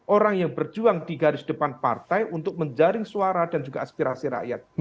orang yang berjuang di garis depan partai untuk menjaring suara dan juga aspirasi rakyat